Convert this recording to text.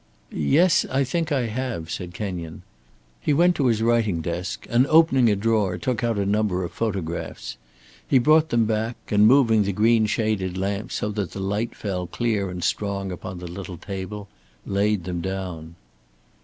"Yes, I think I have," said Kenyon. He went to his writing desk and opening a drawer took out a number of photographs. He brought them back, and moving the green shaded lamp so that the light fell clear and strong upon the little table, laid them down.